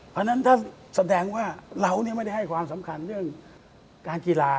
เพราะฉะนั้นถ้าแสดงว่าเราไม่ได้ให้ความสำคัญเรื่องการกีฬา